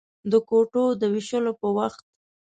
د کوټو د وېشلو په وخت.